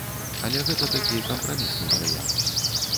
Але гэта такі кампрамісны варыянт.